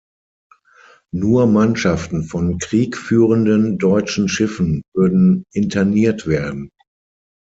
Nur Mannschaften von kriegführenden deutschen Schiffen würden interniert werden.